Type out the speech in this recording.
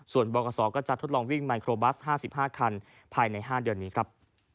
ส่วนบขก็จะทดลองวิ่งไมโครบัส๕๕คันภายใน๕เดือนนี้ครับ